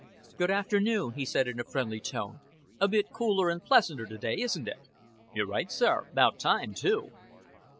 "Good afternoon," he said, in a friendly tone. "A bit cooler and pleasanter to day, isn't it?" "You're right, sir. 'Bout time too."